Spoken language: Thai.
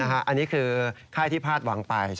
อันนี้คือค่ายที่พลาดหวังไป